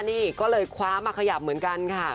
นี่ก็เลยคว้ามาขยับเหมือนกันค่ะ